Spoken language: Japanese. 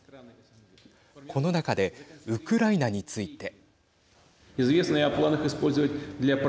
この中で、ウクライナについて。